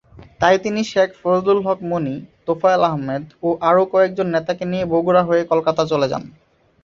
তাই তিনি শেখ ফজলুল হক মনি, তোফায়েল আহমেদ ও আরও কয়েকজন নেতাকে নিয়ে বগুড়া হয়ে কলকাতা চলে যান।